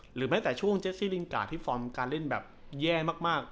แม้แต่ช่วงเจสซี่ลิงกาดที่ฟอร์มการเล่นแบบแย่มาก